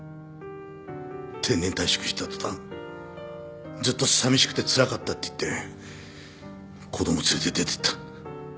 定年退職した途端ずっとさみしくてつらかったって言って子供連れて出てった。